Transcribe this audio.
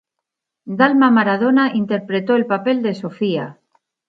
Dalma Maradona interpretó el papel de "Sofía".